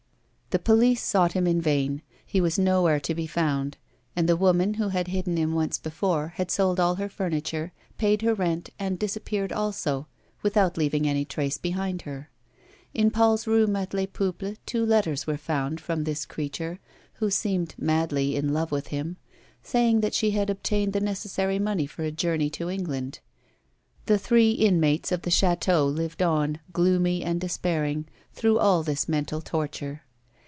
The police sought him in vain ; he was nowhere to be found, and the woman who had hidden him once before had sold all her furniture, paid her rent, and disappeared also, without leaving any trace behind her. In Paul's room at Les Peuples two letters were found from this creature (who seemed madly in love with him) saying that she had obtained the necessary money for a journey to England. The three inmates of the chateau lived ou, gloomy and despairing, through all this mental torture.